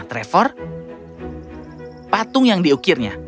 trevor patung yang diukirnya